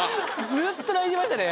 ずっと泣いてましたね